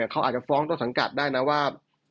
เขาอาจจะฟ้องต้นสังกัดได้นะว่า